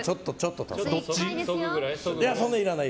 そんないらない。